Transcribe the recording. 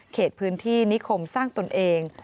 เขตพื้นที่นิคมสร้างตนเอง